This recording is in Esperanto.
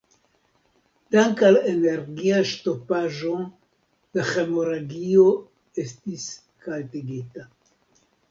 Dank' al energia ŝtopaĵo la hemoragio estis haltigita.